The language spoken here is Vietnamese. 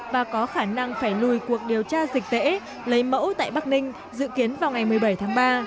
và có khả năng phải lùi cuộc điều tra dịch tễ lấy mẫu tại bắc ninh dự kiến vào ngày một mươi bảy tháng ba